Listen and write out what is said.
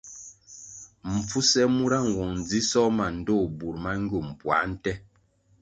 Mpfuse mura nwong ndzisoh ma ndtoh bur ma ngywum puā nte.